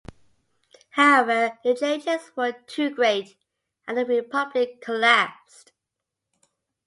However, the changes were too great and the Republic collapsed.